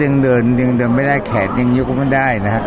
เราก็ยังเดินไปได้แขตยังยุ่งไม่ได้นะครับ